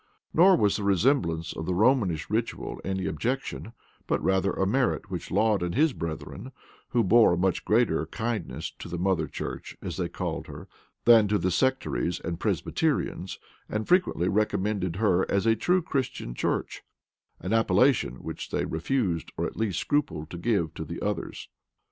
Nor was the resemblance to the Romish ritual any objection, but rather a merit with Laud and his brethren; who bore a much greater kindness to the mother church, as they called her, than to the sectaries and Presbyterians, and frequently recommended her as a true Christian church; an appellation which they refused, or at least scrupled to give to the others.